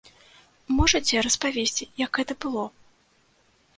Можаце распавесці, як гэта было?